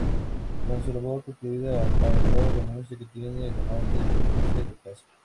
Con su labor concluida, Poirot anuncia que tiene "el honor de retirarse del caso".